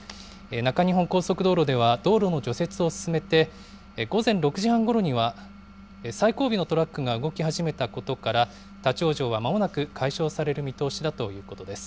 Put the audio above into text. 中日本高速道路では道路の除雪を進めて、午前６時半ごろには最後尾のトラックが動き始めたことから、立往生はまもなく解消される見通しだということです。